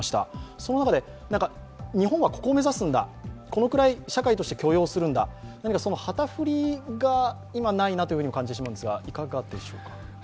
その中で日本はここを目指すんだ、このくらい社会として許容するんだ、旗振りが今、ないなと感じてしまうんですが、いかがでしょうか。